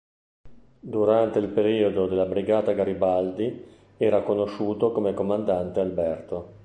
Durante il periodo della Brigata Garibaldi era conosciuto come "comandante Alberto".